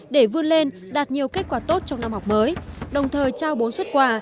để vươn lên đạt nhiều kết quả tốt trong năm học mới đồng thời trao bốn xuất quà